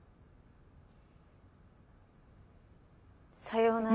さような。